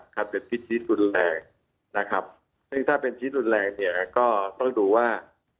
ครับเป็นพิษรุนแรงนะครับซึ่งถ้าเป็นชิ้นรุนแรงเนี่ยก็ต้องดูว่า